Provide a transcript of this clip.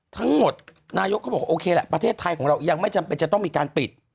ทั้งหมดนายกเขาบอกโอเคแหละประเทศไทยของเรายังไม่จำเป็นจะต้องมีการปิด